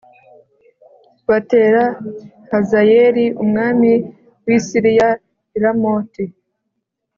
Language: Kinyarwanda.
batera hazayeli umwami w i siriya i ramoti